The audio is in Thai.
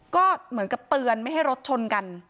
ก็เหมือนกับเตือนไม่ให้รถชนกัน